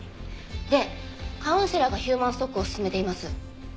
でカウンセラーがヒューマンストックを勧めています。